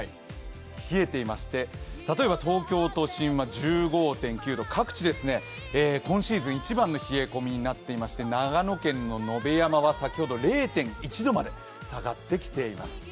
冷えていまして、例えば東京都心は１５．９度、各地、今シーズン一番の冷え込みになっていまして長野県の野辺山は先ほど０．１度まで下がってきています。